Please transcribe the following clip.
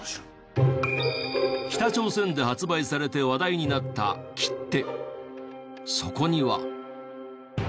北朝鮮で発売されて話題になった切手。